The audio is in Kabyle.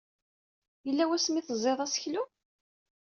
Yella wasmi ay teẓẓiḍ aseklu?